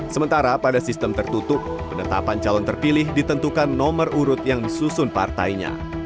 sementara pada sistem tertutup penetapan calon terpilih ditentukan nomor urut yang disusun partainya